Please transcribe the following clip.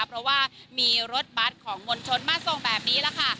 เพราะว่ามีรถบัตรของมวลชนมาส่งแบบนี้แหละค่ะ